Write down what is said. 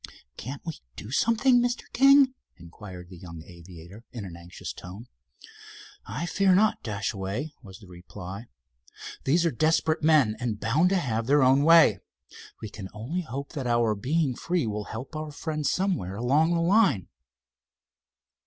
"Can't we do something, Mr. King?" inquired the young aviator, in an anxious tone. "I fear not, Dashaway," was the reply. "These are desperate men and bound to have their own way. We can only hope that our being free will help our friends somewhere along the line."